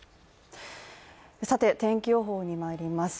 天気予報にまいります。